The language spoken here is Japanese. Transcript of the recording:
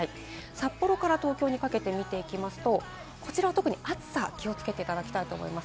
札幌から東京にかけて見てみますと、こちらは特に暑さに気をつけていただきたいと思います。